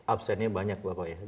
absennya banyak bapak ya